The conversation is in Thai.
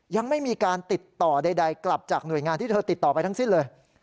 ยังไม่มีการติดต่อใดกลับจากหน่วยงานที่เธอติดต่อไปทั้งสิ้นเลย